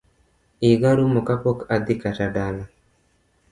Yiga rumo ka pok adhi kata dala